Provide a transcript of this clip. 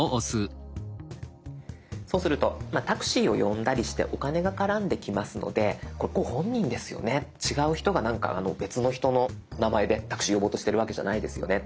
そうするとタクシーを呼んだりしてお金が絡んできますのでこれご本人ですよね違う人が別の人の名前でタクシー呼ぼうとしてるわけじゃないですよね。